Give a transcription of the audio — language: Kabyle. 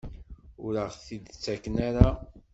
Ur aɣ-t-id-ttaken ara?